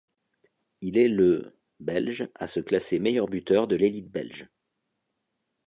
Il est le belge à se classer meilleur buteur de l'élite belge.